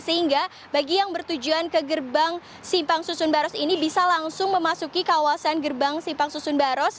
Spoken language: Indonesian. sehingga bagi yang bertujuan ke gerbang simpang susun baros ini bisa langsung memasuki kawasan gerbang simpang susun baros